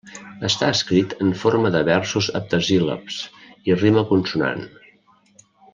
Està escrit en forma de versos heptasíl·labs i rima consonant.